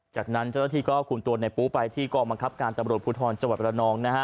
จากนั้นเจ้าเวที่ก็คุณตัวในปุ๊บไปที่ก้อมังคับการจบรถพุทธรณ์จังหวัดประนอง